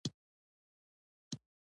دا شبکه د تولید او تقسیم لپاره ضروري وه.